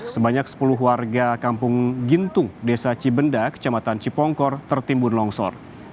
sebanyak sepuluh warga kampung gintung desa cibenda kecamatan cipongkor tertimbun longsor